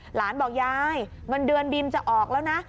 หลานบอกยายเงินเดือนบินจะออกแล้วนะ